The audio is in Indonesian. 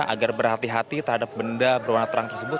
agar berhati hati terhadap benda berwarna terang tersebut